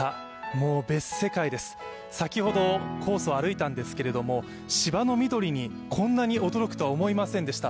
もう別世界です先ほどコースを歩いたんですけれども芝の緑にこんなに驚くとは思いませんでした。